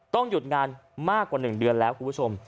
หยุดงานมากกว่า๑เดือนแล้วคุณผู้ชม